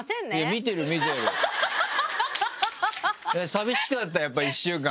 寂しかったやっぱ１週間。